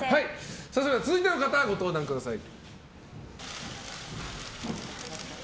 続いての方、ご登壇ください。